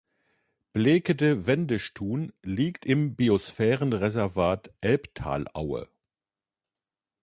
Bleckede-Wendischthun liegt im Biosphärenreservat Elbtalaue.